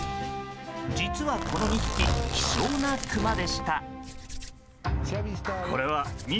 実は、この２匹希少なクマでした。